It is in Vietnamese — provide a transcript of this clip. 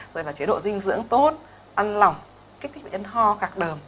rồi là chế độ dinh dưỡng tốt ăn lỏng kích thích bệnh nhân ho gạc đờm